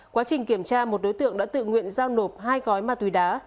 quá trình kiểm tra một đối tượng đã tự nguyện giao nộp hai gói ma túy đá